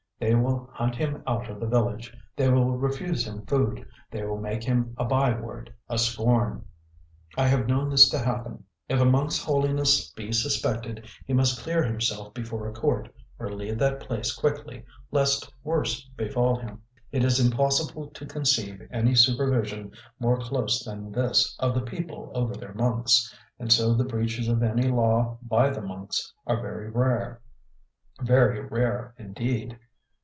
They will hunt him out of the village, they will refuse him food, they will make him a byword, a scorn. I have known this to happen. If a monk's holiness be suspected, he must clear himself before a court, or leave that place quickly, lest worse befall him. It is impossible to conceive any supervision more close than this of the people over their monks, and so the breaches of any law by the monks are very rare very rare indeed.